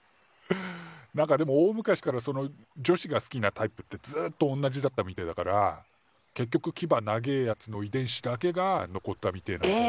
なんかでも大昔からその女子が好きなタイプってずっとおんなじだったみたいだから結局キバ長えやつの遺伝子だけが残ったみてえなんだよね。